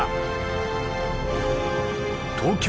東京